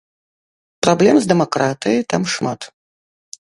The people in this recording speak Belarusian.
Праблем з дэмакратыяй там шмат.